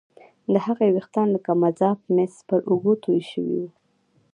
د هغې ويښتان لکه مذاب مس پر اوږو توې شوي وو